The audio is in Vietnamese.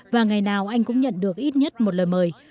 và ngày nào anh cũng nhận được ít nhất một lời mời